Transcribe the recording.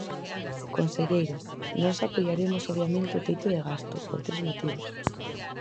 Conselleiro, nós apoiaremos obviamente o teito de gasto, por tres motivos.